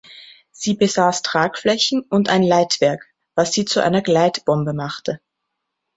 Sie besaß Tragflächen und ein Leitwerk, was sie zu einer Gleitbombe machte.